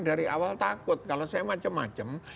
dari awal takut kalau saya macam macam